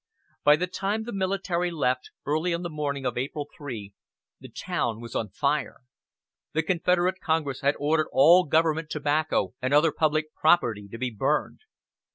By the time the military left, early on the morning of April 3, the town was on fire. The Confederate Congress had ordered all government tobacco and other public property to be burned.